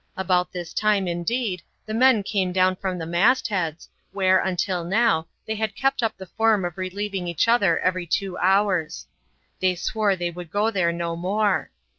About this time, indeed, the men came down from the mast heads, where, until now, they had kept up the form of relieving each other every two hours. They swore they would go there no more.